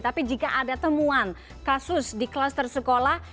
tapi jika ada temuan kasus di kluster sekolah